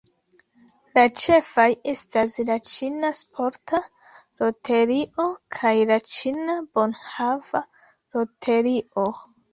La ĉefaj estas la Ĉina Sporta Loterio kaj la Ĉina Bonhava Loterio.